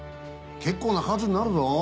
結構な数になるぞ。